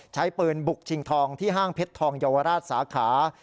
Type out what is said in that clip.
ใช้ปืนบุกชิงทองที่ห้างเพชรทองเยาวราชสาขา